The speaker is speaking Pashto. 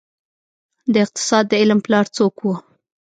د اقتصاد د علم پلار څوک وه؟